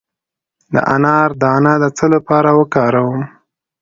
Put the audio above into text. د انار دانه د څه لپاره وکاروم؟